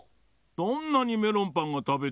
そんなにメロンパンがたべたいのかな？